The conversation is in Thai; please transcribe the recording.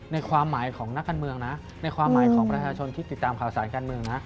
ในความหมายของนักการเมืองนะในความหมายของประชาชนที่ติดตามข่าวสารการเมืองนะ